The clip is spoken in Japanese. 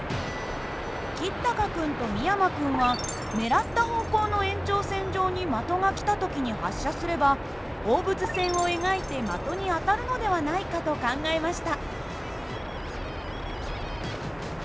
橘高君と美山君は狙った方向の延長線上に的が来た時に発射すれば放物線を描いて的に当たるのではないかと考えました。